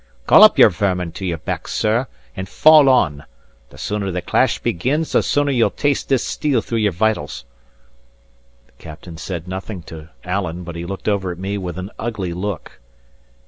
Call up your vermin to your back, sir, and fall on! The sooner the clash begins, the sooner ye'll taste this steel throughout your vitals." The captain said nothing to Alan, but he looked over at me with an ugly look.